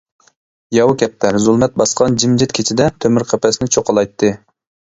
ياۋا كەپتەر زۇلمەت باسقان جىمجىت كېچىدە تۆمۈر قەپەسنى چوقۇلايتتى.